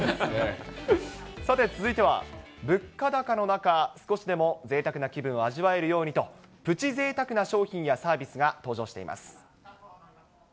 さて、続いては、物価高の中、少しでもぜいたくな気分を味わえるようにと、プチぜいたくな商品やサービスが登場しています。